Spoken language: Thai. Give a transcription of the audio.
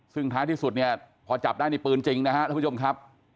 ซึ่งท้ายที่สุดเนี่ยพอจับได้นี่ปืนจริงนะครับท่านผู้ชมครับ